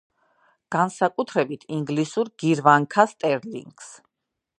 განსაკუთრებით ინგლისურ გირვანქა სტერლინგს.